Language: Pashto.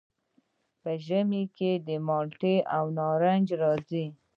په ژمي کې مالټې او نارنج راځي.